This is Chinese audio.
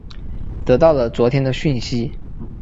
得到了昨天的讯息